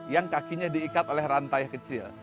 yang kakinya diikat oleh rantai kecil